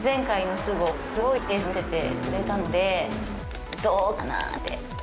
すごいレースを見せてくれたのでどうかなぁって。